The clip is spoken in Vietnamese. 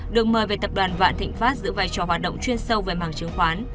được mời về tập đoàn vạn thịnh pháp giữ vai trò hoạt động chuyên sâu về mảng chứng khoán